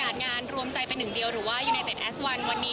ที่ดูสิทธิ์